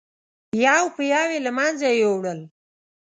یو په یو یې له منځه یووړل.